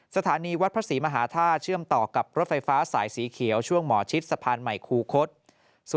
สถานีวัดพระศรีมหาธาตุเชื่อมต่อกับรถไฟฟ้าสายสีเขียวช่วงหมอชิดสะพานใหม่คูคศ